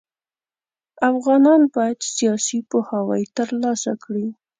افغانان بايد سياسي پوهاوی ترلاسه کړي.